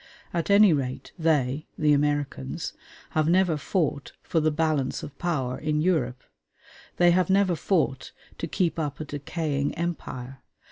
At any rate, they [the Americans] have never fought "for the balance of power" in Europe. They have never fought to keep up a decaying empire.